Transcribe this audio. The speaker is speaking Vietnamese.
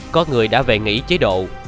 có người đã về nghỉ chế độ